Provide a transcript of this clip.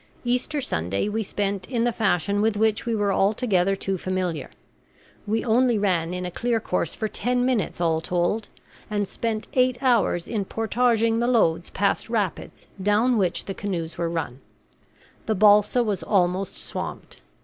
Easter Sunday we spent in the fashion with which we were altogether too familiar. We only ran in a clear course for ten minutes all told, and spent eight hours in portaging the loads past rapids down which the canoes were run; the balsa was almost swamped.